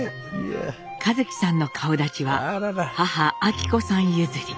一輝さんの顔だちは母昭子さん譲り。